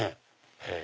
へぇ。